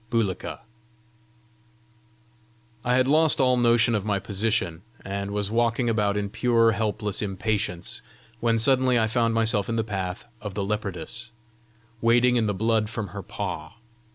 BULIKA I had lost all notion of my position, and was walking about in pure, helpless impatience, when suddenly I found myself in the path of the leopardess, wading in the blood from her paw.